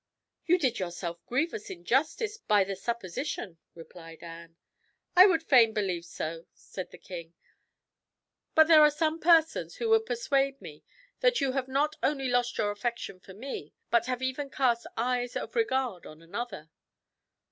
"You did yourself grievous injustice by the supposition," replied Anne. "I would fain believe so," said the king; "but there are some persons who would persuade me that you have not only lost your affection for me, but have even cast eyes of regard on another."